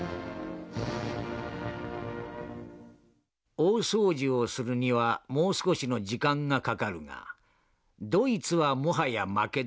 「大掃除をするにはもう少しの時間がかかるがドイツはもはや負けだ。